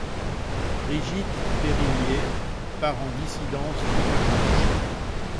Brigitte Périllié part en dissidence divers gauche.